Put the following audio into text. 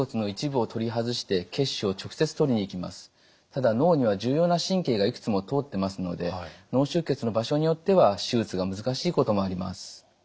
ただ脳には重要な神経がいくつも通ってますので脳出血の場所によっては手術が難しいこともあります。